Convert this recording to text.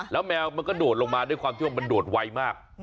แล้วแมวมันก็โดดลงมาด้วยความที่ว่ามันโดดไวมาก